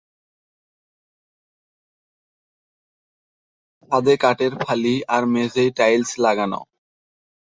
ছাদে কাঠের ফালি আর মেঝেয় টাইলস লাগানো।